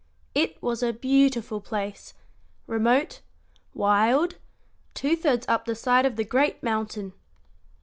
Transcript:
It was a beautiful place remote, wild, two thirds up the side of the great mountain.